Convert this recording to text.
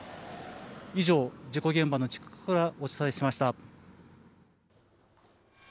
以上、事故現場の近くからお伝えしました。